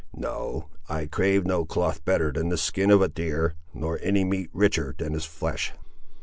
No, I crave no cloth better than the skin of a deer, nor any meat richer than his flesh."